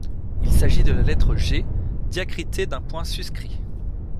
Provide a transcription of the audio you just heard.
Il s’agit de la lettre G diacritée d’un point suscrit.